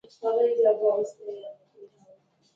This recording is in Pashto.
سیند ته دیکه مه ورکوه هغه په خپله بهېدلی شي.